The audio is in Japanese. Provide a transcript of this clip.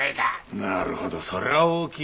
なるほどそりゃ大きい。